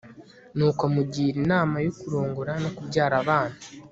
nuko amugira inama yo kurongora no kubyara abana